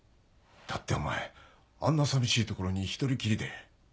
だってお前あんな寂しい所に１人きりで。